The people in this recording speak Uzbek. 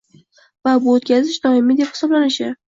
va bu o‘tkazish doimiy deb hisoblanishi.